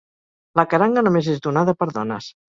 La karanga només és donada per dones.